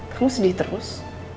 kamu sedih terus